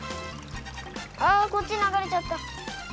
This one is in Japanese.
あこっち流れちゃった。